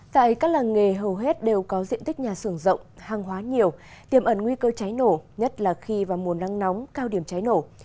tại các làng nghề hầu hết đều có diện tích nhà xưởng rộng hàng hóa nhiều tiềm ẩn nguy cơ cháy nổ nhất là khi vào mùa nắng nóng cao điểm cháy nổ